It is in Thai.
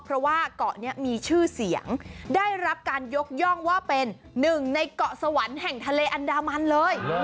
เพราะว่าเกาะนี้มีชื่อเสียงได้รับการยกย่องว่าเป็นหนึ่งในเกาะสวรรค์แห่งทะเลอันดามันเลย